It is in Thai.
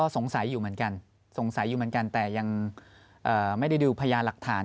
สงสัยอยู่เหมือนกันแต่ยังไม่ได้ดูพยาหลักฐาน